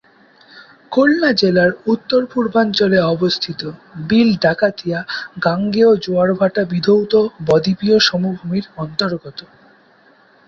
খুলনা জেলার উত্তর-পূর্বাঞ্চলে অবস্থিত বিল ডাকাতিয়া গাঙ্গেয় জোয়ারভাটা বিধৌত বদ্বীপীয় সমভূমির অন্তর্গত।